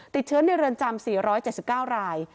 ติดเชื้อในเรือนจำ๔๗๙ราย